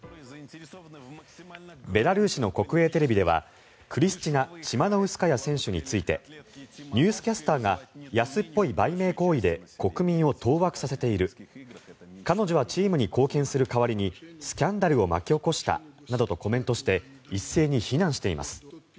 ベラルーシの国営テレビではクリスチナ・チマノウスカヤ選手についてニュースキャスターが安っぽい売名行為で国民を当惑させている彼女はチームに貢献する代わりにスキャンダルを起こしたなどとコメントして一斉に非難しています。